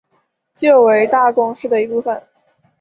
旧为大宫市的一部分。